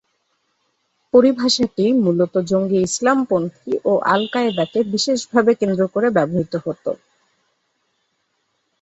পরিভাষাটি মূলত জঙ্গি ইসলামপন্থী ও আল-কায়েদাকে বিশেষভাবে কেন্দ্র করে ব্যবহৃত হত।